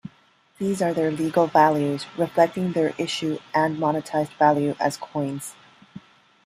These are their legal values reflecting their issue and monetized value as coins.